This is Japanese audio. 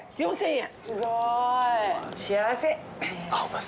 ４，０００円？